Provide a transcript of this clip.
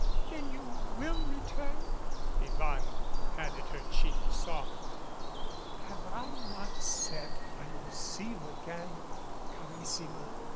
"Then you will return?" Yvonne patted her cheek softly. "Have I not said I will see you again, carissima?"